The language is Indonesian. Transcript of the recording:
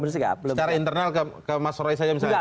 secara internal ke mas roy saja misalnya